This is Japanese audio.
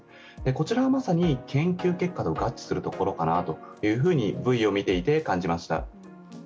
こちらはまさに、研究結果と合致するところかなとＶＴＲを見ていて感じました。